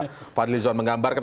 pak fadli zon menggambarkan